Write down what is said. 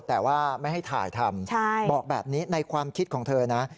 แต่ว่าไม่ให้ถ่ายทำบอกแบบนี้ในความคิดของเธอนะ